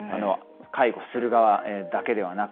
介護する側だけではなく。